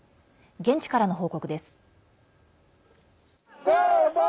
現地からの報告です。